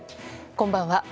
こんばんは。